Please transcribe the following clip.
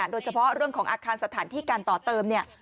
โดยเฉพาะเรื่องของอาคารสถานที่การต่อเติมเนี่ย